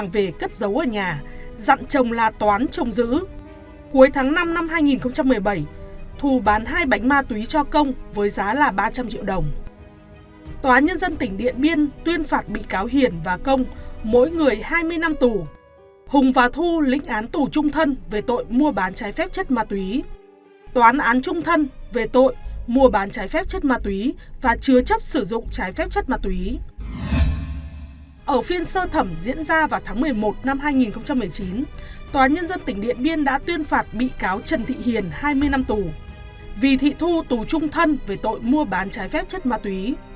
vì thị thu tù trung thân về tội mua bán trái phép chất ma túy